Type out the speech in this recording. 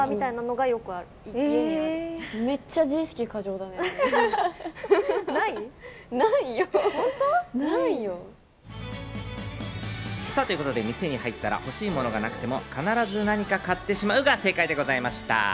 思わねえよ！ということで、店に入ったら欲しいものがなくても、必ず何か買ってしまうが正解でございました。